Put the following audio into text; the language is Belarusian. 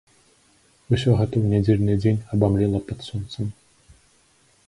Усё гэта ў нядзельны дзень абамлела пад сонцам.